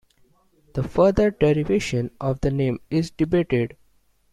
The further derivation of the name is debated.